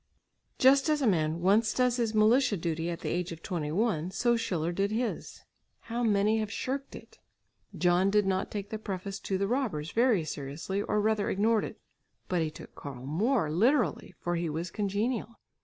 Just as a man once does his militia duty at the age of twenty one, so Schiller did his. How many have shirked it! John did not take the preface to "The Robbers" very seriously or rather ignored it; but he took Karl Moor literally for he was congenial.